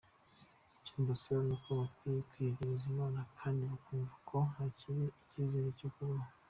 Icyo mbasaba ni uko bakwiye kwiyegereza Imana kandi bakumva ko hakiri icyizere cyo kubaho.